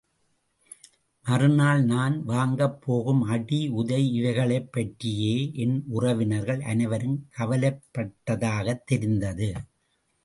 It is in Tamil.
மறுநாள் நான் வாங்கப் போகும் அடி உதை இவைகளைப் பற்றியே என் உறவினர்கள் அனைவரும் கவலைப்பட்டதாகத் தெரிந்தது.